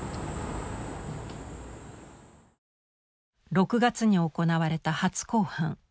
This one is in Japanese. ６月に行われた初公判。